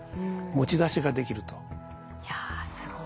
いやすごい。